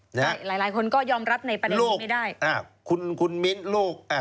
หลายคนก็ยอมรับในประเด็นไม่ได้